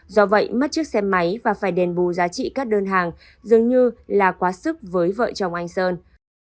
do vậy mất chiếc xe máy và phải đền bù giá trị các đơn hàng dường như là quá sức với vợ chồng anh sơn